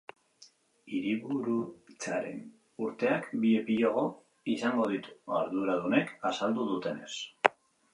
Hiriburutzaren urteak bi epilogo izango ditu, arduradunek azaldu dutenez.